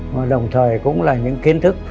mà đồng thời cũng là những kiến thức